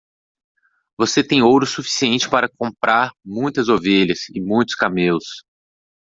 Você tem ouro suficiente para comprar muitas ovelhas e muitos camelos.